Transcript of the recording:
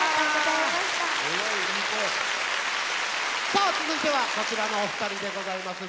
さあ続いてはこちらのお二人でございます。